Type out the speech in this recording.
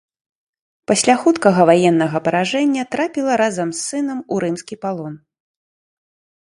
Пасля хуткага ваеннага паражэння трапіла, разам з сынам, у рымскі палон.